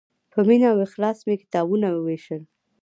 په مینه او اخلاص مې کتابونه ووېشل.